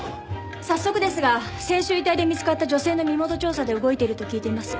早速ですが先週遺体で見つかった女性の身元調査で動いていると聞いています。